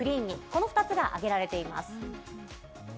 この２つが挙げられています。